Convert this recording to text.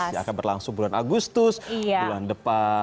yang akan berlangsung bulan agustus bulan depan